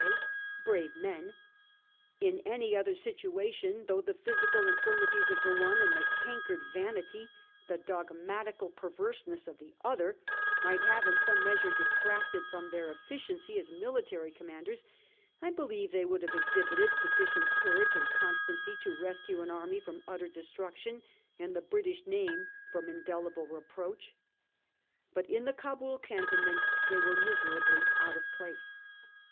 W. Kaye, 'brave men. In any other situation, though the physical infirmities of the one and the cankered vanity, the dogmatical perverseness of the other, might have in some mea sure detracted from their efficiency as military com manders, I believe they would have exhibited suffi cient courage and constancy to rescue an army from utter destruction, and the British name from indelible reproach. But in the Cabul cantonments they were miserably out of place.